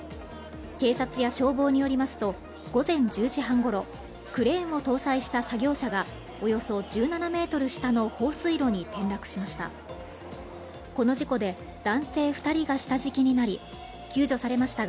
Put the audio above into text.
警察や消防によりますと午前１０時半ごろクレーンを搭載した作業車がおよそ１７ｍ下の放水路に転落しました。